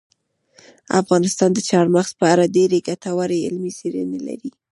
افغانستان د چار مغز په اړه ډېرې ګټورې علمي څېړنې لري.